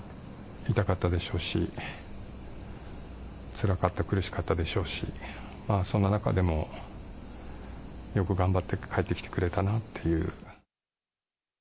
痛かったでしょうし、つらかった、苦しかったでしょうし、そんな中でも、よく頑張って帰ってきてくれたなっていう。